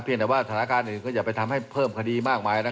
เพียงแต่ว่าธนาคารอื่นก็อย่าไปทำให้เพิ่มคดีมากมายนะ